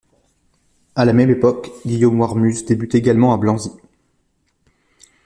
À la même époque Guillaume Warmuz débute également à Blanzy.